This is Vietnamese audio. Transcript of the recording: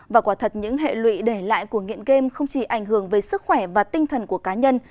và quả thật những hệ lụy để lại của nghiện game không chỉ ảnh hưởng về sức khỏe và tinh thần của cá nhân